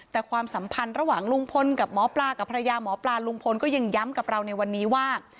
แต่ความสัมพันธ์ระหว่างลุงพลกับหมอปลากับภรรยาหมอปลาลุงพลก็ยังย้ำกับเราในวันนี้ว่า